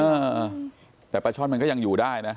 เออแต่ปลาช่อนมันก็ยังอยู่ได้นะ